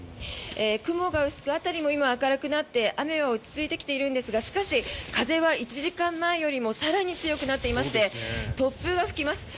雲が薄く辺りも今明るくなって雨は落ち着いてきているんですがしかし、風は１時間前よりも更に強くなっていまして突風は吹きます。